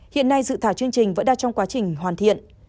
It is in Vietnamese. hiện nay dự thảo chương trình vẫn đang trong quá trình hoàn thiện